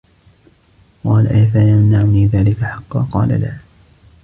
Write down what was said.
قَالَ أَفَيَمْنَعُنِي ذَلِكَ حَقًّا ؟ قَالَ لَا